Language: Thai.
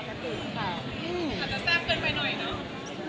อาจจะแซ่บเกินไปหน่อยเนาะ